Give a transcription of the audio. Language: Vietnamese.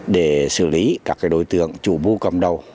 để xử lý các đối tượng chủ bu cầm đầu